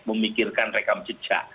memikirkan rekam jejak